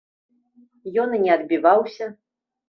Ён і не адбіваўся.